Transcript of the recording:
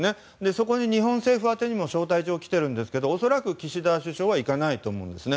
そこに日本宛てにも招待状が来ているんですけど恐らく岸田総理は行かないと思うんですね。